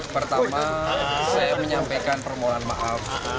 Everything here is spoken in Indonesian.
pertama saya menyampaikan permohonan maaf